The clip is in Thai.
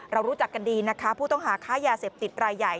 รู้จักกันดีนะคะผู้ต้องหาค้ายาเสพติดรายใหญ่